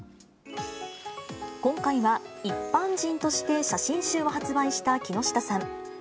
今回は一般人として写真集を発売した木下さん。